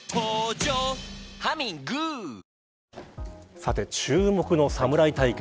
さて注目の侍対決